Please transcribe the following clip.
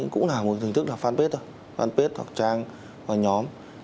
cũng là một hình thức là fanpage fanpage hoặc trang hoặc nhóm